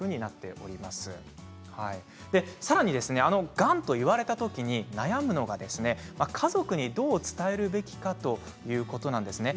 さらに、がんと言われた時に悩むのが家族にどう伝えるべきかということなんですね。